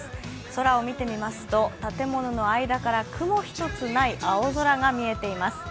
空を見てみますと、建物の間から雲一つない青空が見えています。